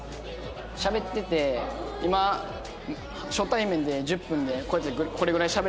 しゃべってて今初対面で１０分でこれぐらいしゃべれてるやんか。